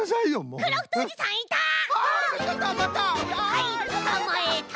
はいつかまえた。